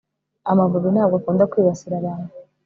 Amavubi ntabwo akunda kwibasira abantu